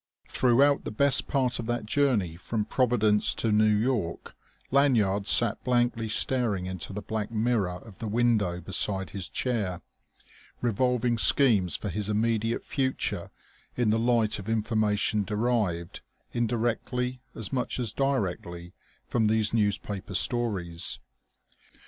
Throughout the best part of that journey from Providence to New York Lanyard sat blankly staring into the black mirror of the window beside his chair, revolving schemes for his immediate future in the light of information derived, indirectly as much as directly, from these newspaper stories.